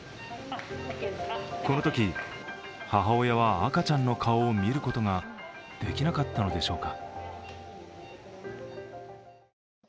このとき、母親は赤ちゃんの顔を見ることができなかったのでしょうか。